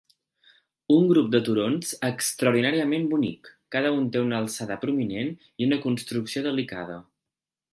Un grup de turons extraordinàriament bonic, cada un té una alçada prominent i una construcció delicada.